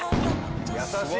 優しい。